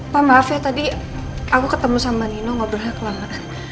pak maaf ya tadi aku ketemu sama nino ngobrolnya kelamaan